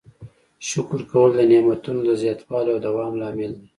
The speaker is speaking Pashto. شکر کول د نعمتونو د زیاتوالي او دوام لامل دی.